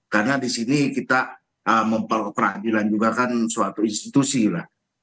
karena di sini kita memperlukan peradilan juga kan suatu institusi lah